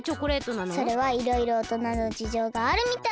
それはいろいろおとなのじじょうがあるみたい！